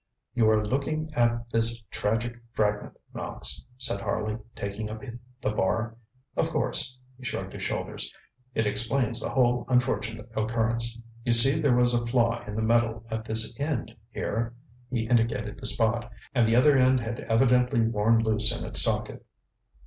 ŌĆ£You are looking at this tragic fragment, Knox, ŌĆØ said Harley, taking up the bar. ŌĆ£Of courseŌĆØ he shrugged his shoulders ŌĆ£it explains the whole unfortunate occurrence. You see there was a flaw in the metal at this end, hereŌĆØ he indicated the spot ŌĆ£and the other end had evidently worn loose in its socket.